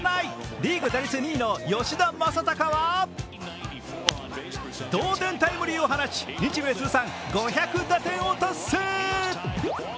リーグ打点２位の吉田正尚は同点タイムリーを放ち日米通算５００打点を達成。